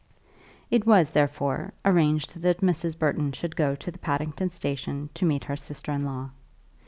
It was, therefore, arranged that Mrs. Burton should go to the Paddington Station to meet her sister in law.